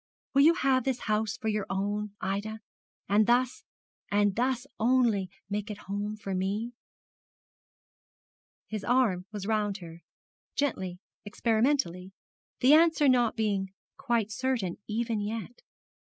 Will you have this old house for your own, Ida, and thus, and thus only, make it home for me? His arm was round her, gently, experimentally, the answer not being quite certain, even yet.